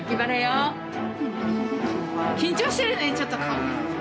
緊張してるねちょっと顔が。